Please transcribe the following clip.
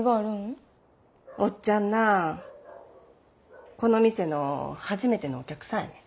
おっちゃんなこの店の初めてのお客さんやねん。